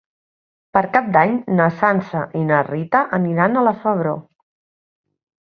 Per Cap d'Any na Sança i na Rita aniran a la Febró.